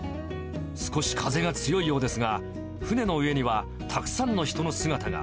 少し風が強いようですが、船の上にはたくさんの人の姿が。